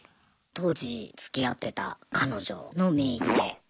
当時つきあってた彼女の名義で。